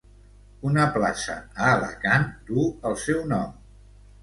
Una plaça a Alacant duu el seu nom.